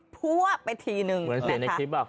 พัวไปทีนึงเหมือนเสียงในคลิปอ่ะ